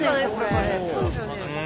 これ。